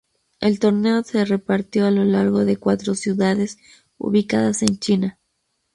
El torneo se repartió a lo largo de cuatro ciudades ubicadas en China.